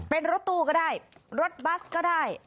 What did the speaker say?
เป็นรถตู้ก็ได้รถบัสก็ได้